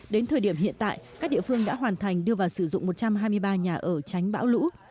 đến thời điểm hiện tại các địa phương đã hoàn thành đưa vào sử dụng một trăm hai mươi ba nhà ở tránh bão lũ